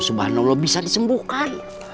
subhanallah bisa disembuhkan